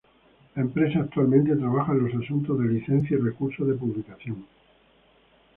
La empresa actualmente trabaja en los asuntos de licencia y recursos de publicación.